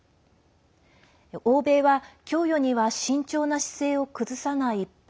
欧米は、供与には慎重な姿勢を崩さない一方